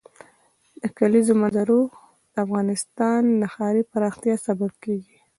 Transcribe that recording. د کلیزو منظره د افغانستان د ښاري پراختیا سبب کېږي.